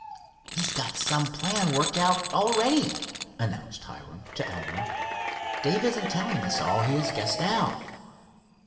"He's got some plan worked out already," announced Hiram to Elmer. "Dave isn't telling us all he has guessed out."